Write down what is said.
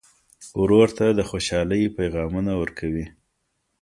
ورور ته د خوشحالۍ پیغامونه ورکوې.